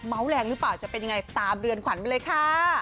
แรงหรือเปล่าจะเป็นยังไงตามเรือนขวัญไปเลยค่ะ